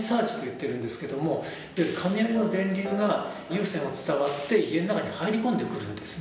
雷の電流が有線を伝わって家の中に入り込んでくるんですね。